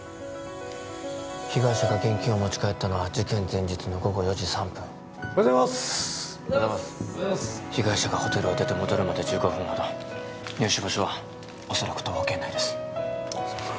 被害者が現金を持ち帰ったのは事件前日の午後４時３分おはようございますおはようございます被害者がホテルを出て戻るまで１５分ほど入手場所はおそらく徒歩圏内ですすいません